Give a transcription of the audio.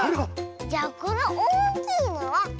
じゃこのおおきいのはスイね。